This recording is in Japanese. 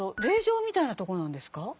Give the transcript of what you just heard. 霊場みたいなとこなんですか？